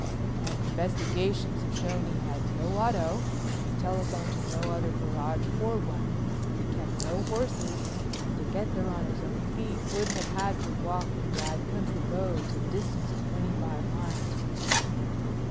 "And investigations have shown he had no auto, he telephoned to no other garage for one, he kept no horses, and to get there on his own feet, would have had to walk through bad country roads a distance of twenty five miles."